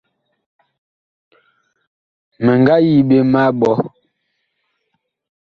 Mi nga yi ɓe ma ɓɔ.